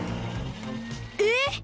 えっ！